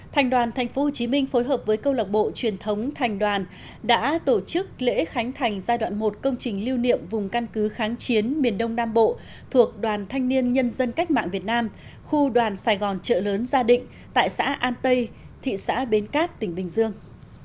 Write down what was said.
thành đoàn tp hcm phối hợp với câu lạc bộ truyền thống thành đoàn đã tổ chức lễ khánh thành giai đoạn một công trình lưu niệm vùng căn cứ kháng chiến miền đông nam bộ thuộc đoàn thanh niên nhân dân cách mạng việt nam khu đoàn sài gòn trợ lớn gia định tại xã an tây thị xã bến cát tỉnh bình dương